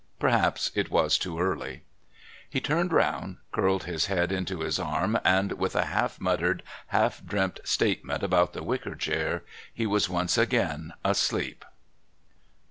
Perhaps it was too early. He turned round, curled his head into his arm, and with a half muttered, half dreamt statement about the wicker chair, he was once again asleep.